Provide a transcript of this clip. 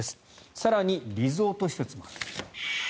更に、リゾート施設もある。